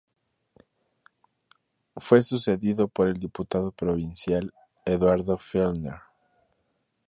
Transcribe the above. Fue sucedido por el diputado provincial Eduardo Fellner.